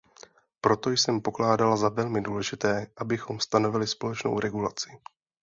Proto jsem pokládala za velmi důležité, abychom stanovili společnou regulaci.